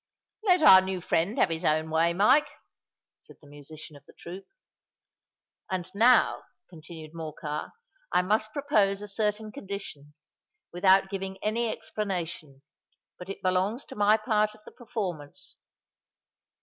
"Let our new friend have his own way, Mike," said the musician of the troop. "And now," continued Morcar, "I must propose a certain condition, without giving any explanation, but it belongs to my part of the performance.